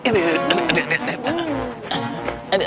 aduh aduh aduh